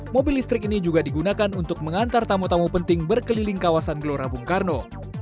mobil listrik ini juga digunakan untuk mengantar tamu tamu penting berkeliling kawasan gelora bung karno